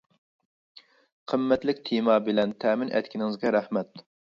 قىممەتلىك تېما بىلەن تەمىن ئەتكىنىڭىزگە رەھمەت!